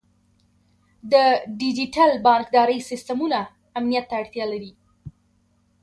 د ډیجیټل بانکدارۍ سیستمونه امنیت ته اړتیا لري.